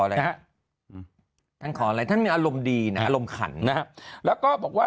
อะไรทั้งขออะไรทั้งอารมณ์ดีน่ะอารมณ์ขันนะแล้วก็บอกว่า